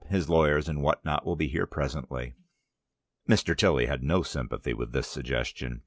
His lawyers and what not will be here presently." Mr. Tilly had no sympathy with this suggestion.